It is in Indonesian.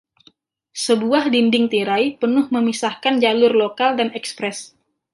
Sebuah dinding tirai penuh memisahkan jalur lokal dan ekspres.